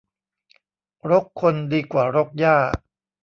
รกคนดีกว่ารกหญ้า